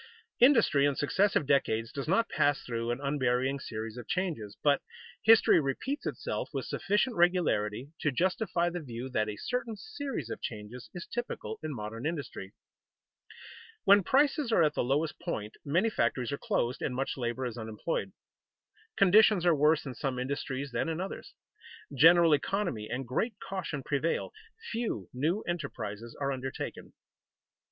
_ Industry in successive decades does not pass through an unvarying series of changes, but history repeats itself with sufficient regularity to justify the view that a certain series of changes is typical in modern industry. When prices are at the lowest point many factories are closed, and much labor is unemployed. Conditions are worse in some industries than in others. General economy and great caution prevail; few new enterprises are undertaken.